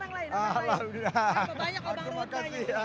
terlalu banyak bang rud nyanyi